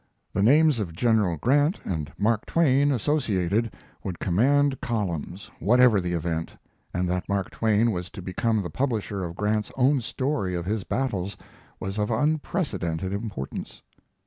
The names of General Grant and Mark Twain associated would command columns, whatever the event, and that Mark Twain was to become the publisher of Grant's own story of his battles was of unprecedented importance.